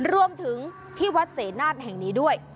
รวมถึงที่วัดเสนาฏแห่งนี้ด้วย